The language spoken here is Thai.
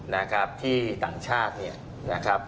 นะครับที่ต่างชาติเนี่ยนะครับ